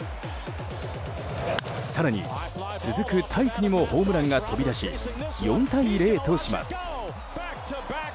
更に、続くタイスにもホームランが飛び出し４対０とします。